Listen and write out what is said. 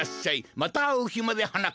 またあうひまではなかっぱ。